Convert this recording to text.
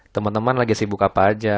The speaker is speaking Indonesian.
teman teman lagi sibuk apa aja